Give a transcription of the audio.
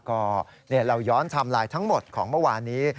ก็เราย้อนไทม์ไลน์ทั้งหมดของเมื่อวานี้